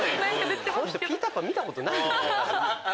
この人『ピーター・パン』見たことないね。